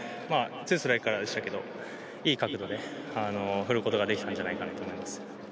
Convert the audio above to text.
ツーストライクからでしたがいい角度で振ることができたんじゃないかなと思います。